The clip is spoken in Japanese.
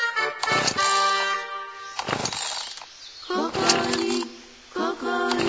「ここにここに」